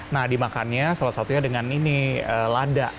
nah dimakannya salah satunya dengan ini lada